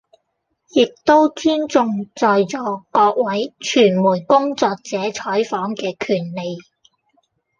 亦都尊重在座各位傳媒工作者採訪嘅權利